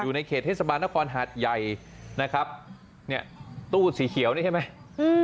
ในเขตเทศบาลนครหาดใหญ่นะครับเนี่ยตู้สีเขียวนี่ใช่ไหมอืม